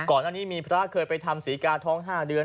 ก่อนอันนี้มีพระเคยไปทำศรีกาท้อง๕เดือน